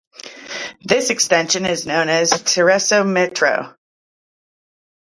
This extension is known as the Terrassa Metro.